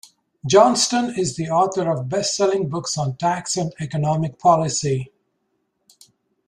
Johnston is the author of best-selling books on tax and economic policy.